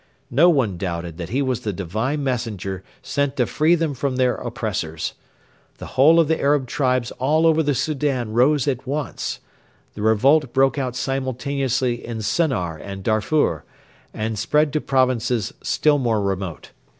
No one doubted that he was the divine messenger sent to free them from their oppressors. The whole of the Arab tribes all over the Soudan rose at once. The revolt broke out simultaneously in Sennar and Darfur, and spread to provinces still more remote.